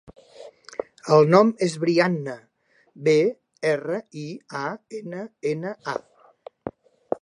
El nom és Brianna: be, erra, i, a, ena, ena, a.